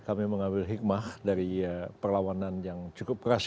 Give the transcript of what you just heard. kami mengambil hikmah dari perlawanan yang cukup keras